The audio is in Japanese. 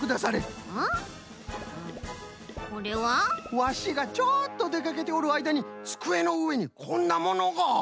ワシがちょっとでかけておるあいだにつくえのうえにこんなものが。